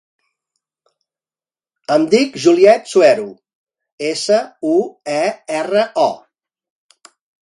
Em dic Juliette Suero: essa, u, e, erra, o.